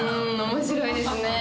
面白いですね。